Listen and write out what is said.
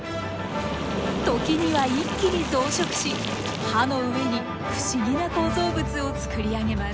時には一気に増殖し歯の上に不思議な構造物を作り上げます。